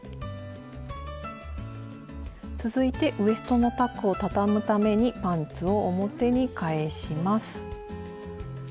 続いてウエストのタックをたたむためにパンツを表に返します。